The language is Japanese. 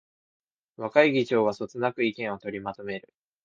若い議長がそつなく意見を取りまとめる